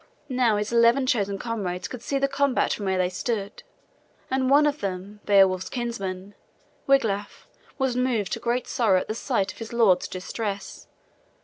Now his eleven chosen comrades could see the combat from where they stood; and one of them, Beowulf's kinsman Wiglaf, was moved to great sorrow at the sight of his lord's distress.